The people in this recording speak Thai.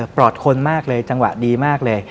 รอดคนมากเลยจังหวะดีมากเลย